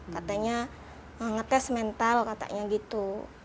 katanya ngetes mental katanya gitu